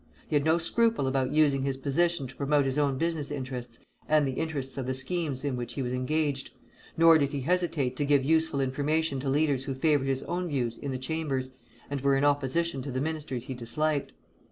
He had no scruple about using his position to promote his own business interests and the interests of the schemes in which he was engaged, nor did he hesitate to give useful information to leaders who favored his own views in the Chambers and were in opposition to the ministers he disliked.